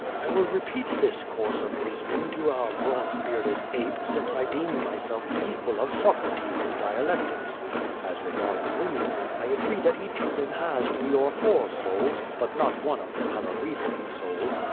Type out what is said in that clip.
I will repeat tins course of reasoning to our Jkonzebeardcd ape since 1 deem myself the equal of Socrates in dialectics. As regards women, I agree that each of them has three or four souls, but not one of them has a reasoning soul.